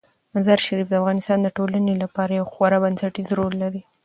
مزارشریف د افغانستان د ټولنې لپاره یو خورا بنسټيز رول لري.